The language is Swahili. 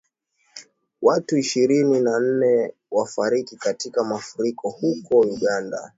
Watu ishirini na nne wafariki katika mafuriko huko Uganda.